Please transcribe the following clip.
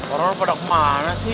orang pada kemana sih